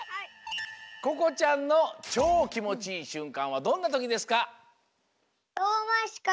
ここちゃんのチョーきもちいいしゅんかんはどんなときですか？